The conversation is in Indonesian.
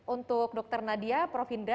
untuk dokter nadia profinda